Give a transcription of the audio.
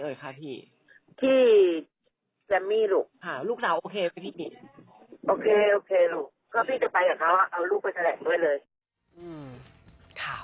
เอาลูกไปแสดงด้วยเลย